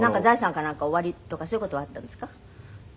財産かなんかおありとかそういう事はあったんですか？